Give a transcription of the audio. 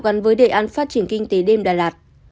gắn với đề án phát triển kinh tế đêm đà lạt